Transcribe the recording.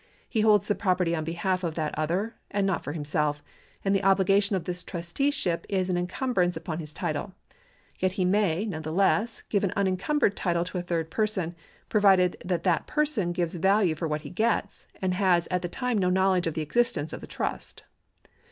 He holds the property on behalf of that other, and not for himself ; and the obligation of this trusteeship is an encumbrance upon his title. Yet he may, none the less, give an unencumbered title to a third person, provided that that person gives value for what he gets, and has at the time no knowledge of the existence of the trust.